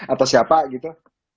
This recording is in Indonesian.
atau siapa gitu